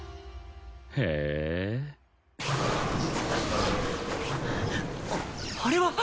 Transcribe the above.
へえあっあれは！